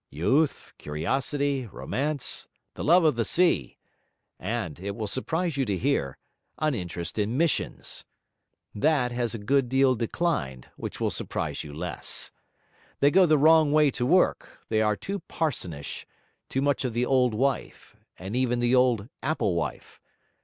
'Youth, curiosity, romance, the love of the sea, and (it will surprise you to hear) an interest in missions. That has a good deal declined, which will surprise you less. They go the wrong way to work; they are too parsonish, too much of the old wife, and even the old apple wife.